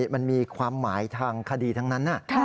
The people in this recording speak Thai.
มันมีความหมายทางคดีทั้งนั้น